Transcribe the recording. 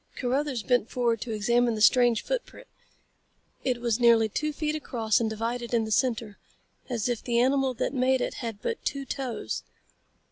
Carruthers bent forward to examine the strange footprint. It was nearly two feet across and divided in the center, as if the animal that made it had but two toes.